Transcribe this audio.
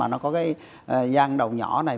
nó có cái gian đầu nhỏ này